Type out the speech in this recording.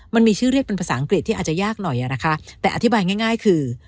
มันมีชื่อเรียกเป็นภาษาอังกฤษที่อาจจะยากหน่อยนะคะแต่อธิบายง่ายคือ